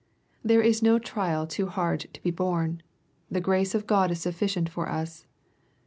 — There is no trial too hard to be borne. The grace of God is sufficient for us.